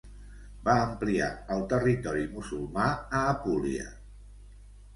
Va ampliar el territori musulmà a Apúlia.